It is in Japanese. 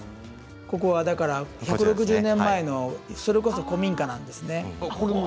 ここは１６０年前のそれこそ古民家なんですね